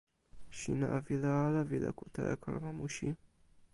sina wile ala wile kute e kalama musi?